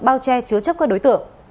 bao che chứa chấp các đối tượng